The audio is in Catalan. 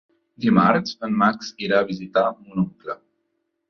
Dimarts en Max irà a visitar mon oncle.